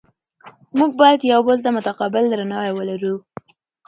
موږ باید یو بل ته متقابل درناوی ولرو